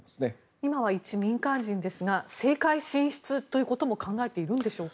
今は一民間人ですが政界進出ということも考えているんでしょうか。